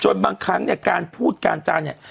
บางครั้งเนี่ยการพูดการจานเนี่ย